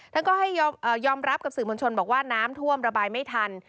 แล้วก็ยอมรับกับสื่อมณชนบอกว่าน้ำทวมระบายไม่ทัน